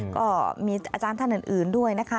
ก็มีอาจารย์ท่านอื่นด้วยนะคะ